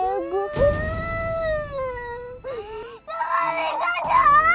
tunggu alika jangan